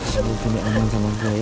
semoga dia aman sama gue